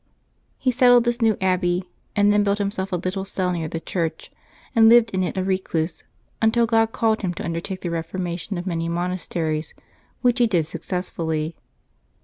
He settled this new abbey, and then built him self a little cell near the church, and lived in it a recluse until God called him to undertake the reformation of many monasteries, which he did successfully.